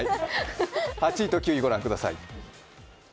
８位と９位ごらんください。